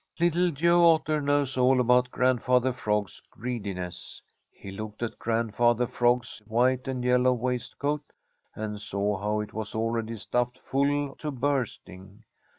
Little Joe Otter knows all about Grandfather Frog's greediness. He looked at Grandfather Frog's white and yellow waistcoat and saw how it was already stuffed full to bursting.